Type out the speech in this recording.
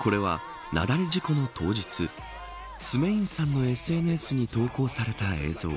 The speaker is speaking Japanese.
これは、雪崩事故の当日スメインさんのＳＮＳに投稿された映像。